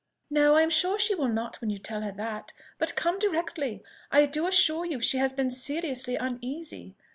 "No, I am sure she will not when you tell her that. But come directly: I do assure you she has been seriously uneasy.